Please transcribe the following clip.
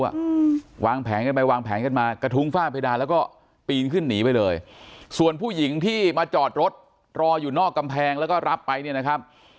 อืมวางแผนกันไปวางแผนกันมากระทุ้งฝ้าเพดานแล้วก็ปีนขึ้นหนีไปเลยส่วนผู้หญิงที่มาจอดรถรออยู่นอกกำแพงแล้วก็รับไปเนี่ยนะครับ